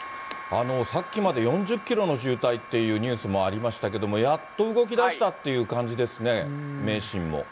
さっきまで４０キロの渋滞っていうニュースもありましたけれども、やっと動き出したっていう感じですね、名神も。